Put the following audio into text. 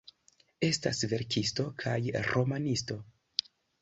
Estas verkisto kaj romanisto.